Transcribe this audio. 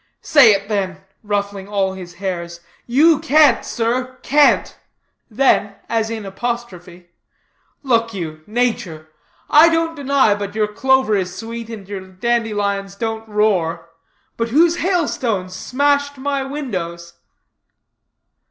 "Say it, then," ruffling all his hairs. "You can't, sir, can't." Then, as in apostrophe: "Look you, nature! I don't deny but your clover is sweet, and your dandelions don't roar; but whose hailstones smashed my windows?"